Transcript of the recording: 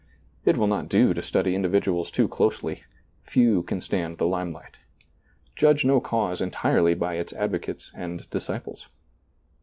It will not do to study individuals too closely; few can stand the lime light. Judge no cause en tirely by its advocates and disciples.